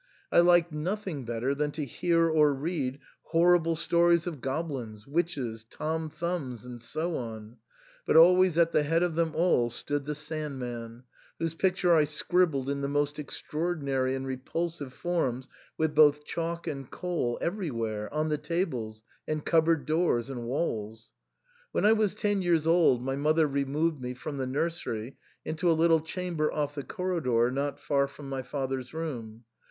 I liked nothing better than to hear or read horrible stories of goblins, witches, Tom Thumbs, and so on ; but always at the head of them all stood the Sand man, whose picture I scribbled in the most extraordinary and repulsive forms with both chalk and coal everywhere, on the tables, and cupboard doors, and walls. When I was ten years old my mother removed me from the nursery into a little chamber off the corridor not far from my father's room.